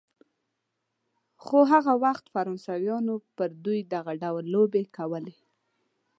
خو هغه وخت فرانسویانو پر دوی دغه ډول لوبې کولې.